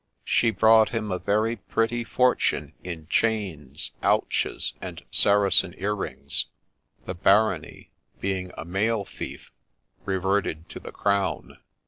She brought him a very pretty fortune in chains, owches, and Saracen earrings ; the barony, being a male fief, reverted to the Crown.